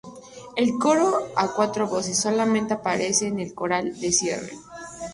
El coro a cuatro voces solamente aparece en el coral de cierre.